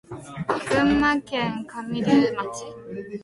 群馬県神流町